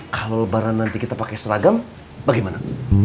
kalo barang nanti kita pake seragam bagaimana